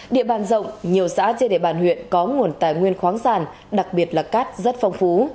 địa bàn rộng nhiều xã trên địa bàn huyện có nguồn tài nguyên khoáng sản đặc biệt là cát rất phong phú